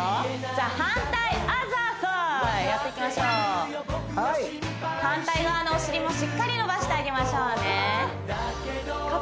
じゃあ反対アザーサイドやっていきましょう反対側のお尻もしっかり伸ばしてあげましょうねか